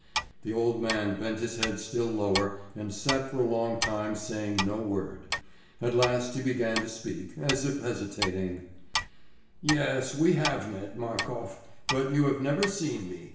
The old man bent his head still lower and sat for a long time saying no word. At last he began to speak, as if hesitating: "Yes, we have met, Markof, but you have never seen me.